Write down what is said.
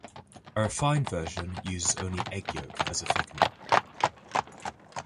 A refined version uses only egg yolk as a thickener.